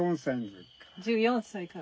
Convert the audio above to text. １４歳から？